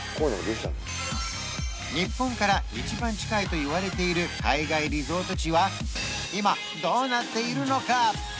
日本から一番近いといわれている海外リゾート地は今どうなっているのか？